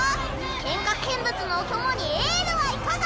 喧嘩見物のお供にエールはいかが。